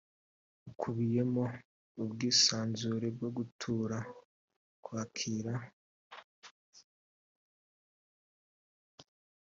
bukubiyemo ubwisanzure bwo gutara kwakira